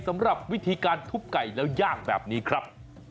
สำหรับวิธีการทุบไก่แล้วย่างแบบนี้ครับ